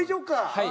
はい。